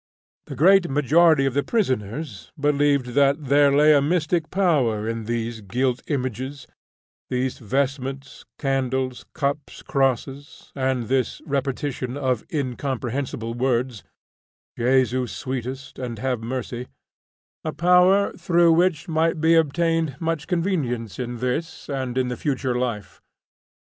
The great majority of the prisoners believed that there lay a mystic power in these gilt images, these vestments, candles, cups, crosses, and this repetition of incomprehensible words, "Jesu sweetest" and "have mercy" a power through which might be obtained much convenience in this and in the future life.